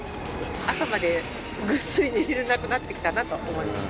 朝までぐっすり眠れなくなってきたなと思います